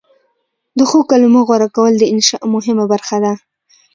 د ښو کلمو غوره کول د انشأ مهمه برخه ده.